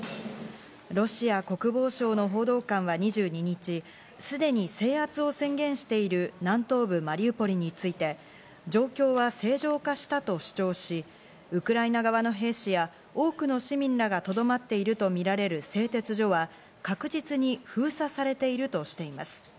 ロシア国防省の報道官は２２日、すでに制圧を宣言している南東部マリウポリについて、状況は正常化したと主張し、ウクライナ側の兵士や多くの市民らが、とどまっているとみられる製鉄所は確実に封鎖されているとしています。